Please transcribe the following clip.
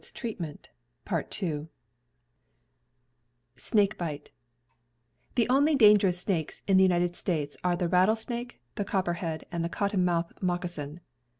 sn CAMPING AND WOODCRAFT The only dangerous snakes in the United States are the rattlesnake, the copperhead, and the cottonmouth „,,. moccasin.